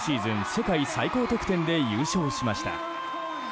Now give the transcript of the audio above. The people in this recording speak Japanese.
世界最高得点で優勝しました。